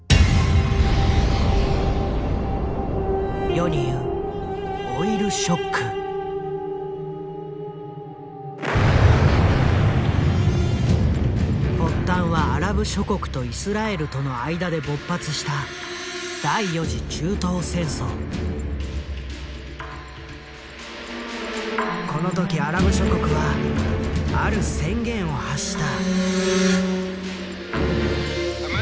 世に言う発端はアラブ諸国とイスラエルとの間で勃発したこの時アラブ諸国はある宣言を発した。